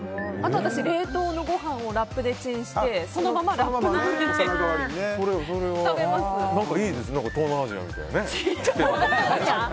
冷凍のごはんをラップでチンしてそのまま食べます。